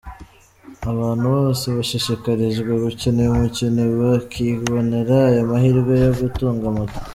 Abantu bose bashishikarijwe gukina uyu mukino bakibonera aya mahirwe yo gutunga moto.